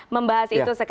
membahas itu sekarang